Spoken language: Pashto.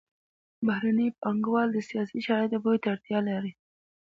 بهرني پانګوال د سیاسي شرایطو پوهې ته اړتیا لري